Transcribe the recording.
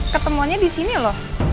ketemuannya di sini loh